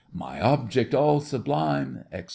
My object all sublime, etc.